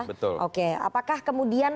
betul oke apakah kemudian